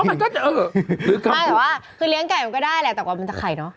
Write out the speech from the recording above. มันก็จะเออไม่แต่ว่าคือเลี้ยงไก่มันก็ได้แหละแต่ว่ามันจะไข่เนอะ